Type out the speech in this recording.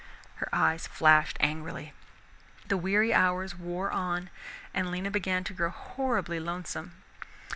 Her eyes flashed angrily. The weary hours wore on and Lena began to grow horribly lonesome.